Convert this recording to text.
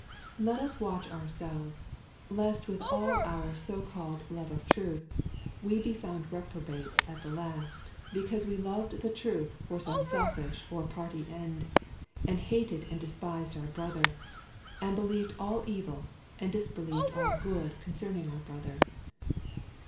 Let us watch ourselves, lest with all our so called love of truth we be found reprobates at last because we loved the truth for some selfish or party end, and hated and despised our brother, and believed all evil and disbelieved all good concerning our brother.